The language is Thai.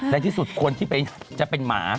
ในที่สุดคนที่จะเป็นหมา